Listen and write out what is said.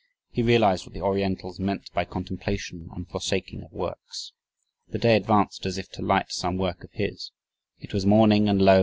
"He realized what the Orientals meant by contemplation and forsaking of works." "The day advanced as if to light some work of his it was morning and lo!